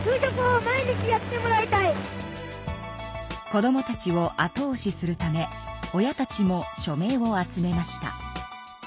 子どもたちを後おしするため親たちも署名を集めました。